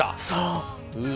そう。